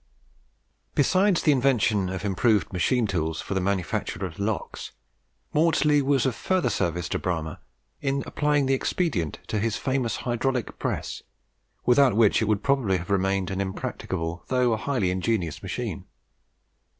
Besides the invention of improved machine tools for the manufacture of locks, Maudslay was of further service to Bramah in applying the expedient to his famous Hydraulic Press, without which it would probably have remained an impracticable though a highly ingenious machine.